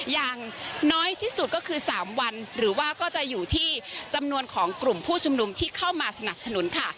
อย่างน้อยที่สุดก็คือ๓วันหรือว่าก็จะอยู่ที่จำนวนของกลุ่มผู้ชุมนุมที่เข้ามาสนับสนุนค่ะ